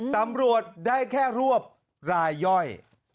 ตำรวจได้แค่รวบรายย่อย